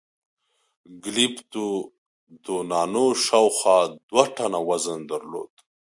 ګلیپتودونانو شاوخوا دوه ټنه وزن درلود.